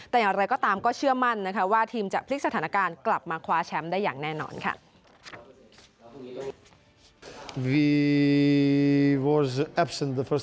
แต่อย่างไรก็ตามก็เชื่อมั่นนะคะว่าทีมจะพลิกสถานการณ์กลับมาคว้าแชมป์ได้อย่างแน่นอนค่ะ